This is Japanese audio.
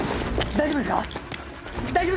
大丈夫ですか？